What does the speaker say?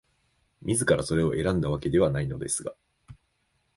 自らそれを選んだわけではないのですが、